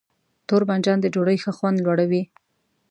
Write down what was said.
تور بانجان د ډوډۍ ښه خوند لوړوي.